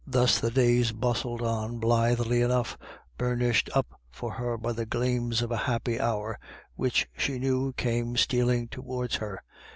Thus the days bustled on blithely enough, bur nished up for her by the gleams of a happy hour which she knew came stealing towards her.